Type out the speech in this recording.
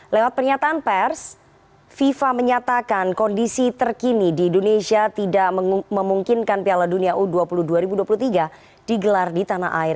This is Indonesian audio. lewat pernyataan pers fifa menyatakan kondisi terkini di indonesia tidak memungkinkan piala dunia u dua puluh dua ribu dua puluh tiga digelar di tanah air